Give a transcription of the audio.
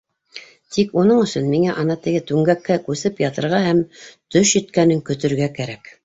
— Тик уның өсөн миңә ана теге түңгәккә күсеп ятырға һәм төш еткәнен көтөргә кәрәк.